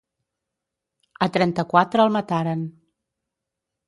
A trenta-quatre el mataren.